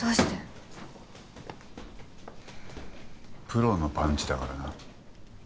プロのパンチだからな。